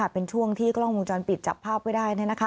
เป็นช่วงที่กล้องวงจรปิดจับภาพไว้ได้